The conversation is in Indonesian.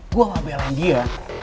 gue malah belain dia